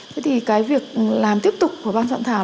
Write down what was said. thế thì cái việc làm tiếp tục của ban soạn thảo